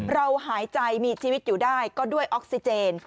หายใจมีชีวิตอยู่ได้ก็ด้วยออกซิเจน